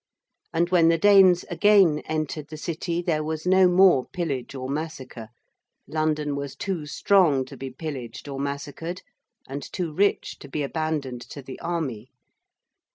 And when the Danes again entered the City there was no more pillage or massacre; London was too strong to be pillaged or massacred, and too rich to be abandoned to the army.